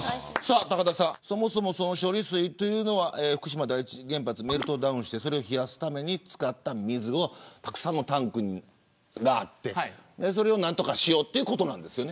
そもそも処理水というのは福島第１原発メルトダウンしてそれを冷やすために使った水をたくさんのタンクがあってそれを何とかしようということなんですよね。